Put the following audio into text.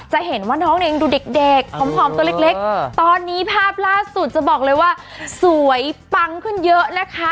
จะเห็นว่าน้องเนี่ยยังดูเด็กผอมตัวเล็กตอนนี้ภาพล่าสุดจะบอกเลยว่าสวยปังขึ้นเยอะนะคะ